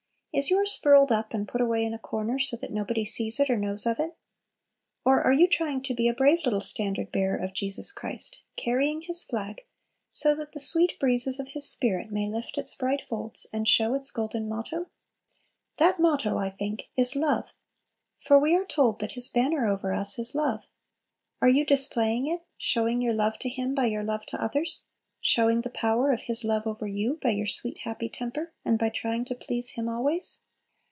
Is yours furled up and put away in a corner, so that nobody sees it or knows of it? Or are you trying to be a brave little standard bearer of Jesus Christ, carrying His flag, so that the sweet breezes of His Spirit may lift its bright folds, and show its golden motto? That motto, I think, is "Love." For we are told that His banner over us is love. Are you displaying it, showing your love to Him by your love to others? showing the power of His love over you by your sweet, happy temper, and by trying to please Him always?